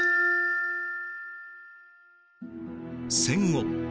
戦後